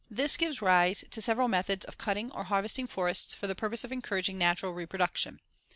This gives rise to several methods of cutting or harvesting forests for the purpose of encouraging natural reproduction.